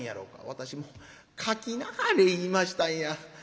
私もう『書きなはれ』言いましたんや。